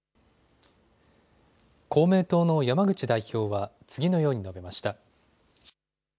公明党の山口代表は次のように述べました。